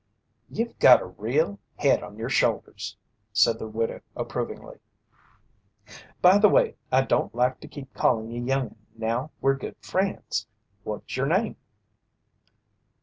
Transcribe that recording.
"Ye've got a real head on yer shoulders," said the widow approvingly. "By the way, I don't like to keep callin' ye young'un now we're good friends. What's yer name?"